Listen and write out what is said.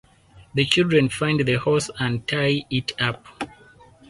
The children find the horse and tie it up.